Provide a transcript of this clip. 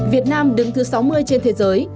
việt nam đứng thứ sáu mươi trên thế giới